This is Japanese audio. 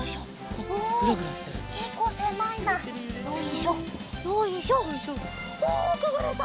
おおくぐれた！